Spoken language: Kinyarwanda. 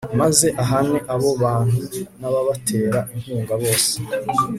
maze ahane abo bantu n'ababatera inkunga bose